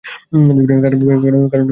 কারণ, সে মারা গেছে।